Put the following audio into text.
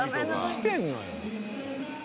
きてんのよ。